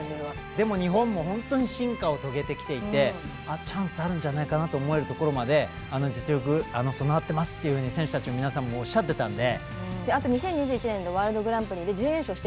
でも、日本も本当に進化を遂げてきていてチャンスあるんじゃないかなと思えるところまで実力備わってますっていうふうに選手たちの皆さんもおっしゃってたんで。